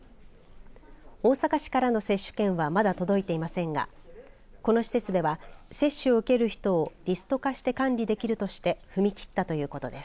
大阪市からの接種券はまだ届いていませんがこの施設では接種を受ける人をリスト化して管理できるとして踏み切ったということです。